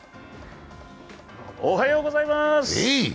おはようございます。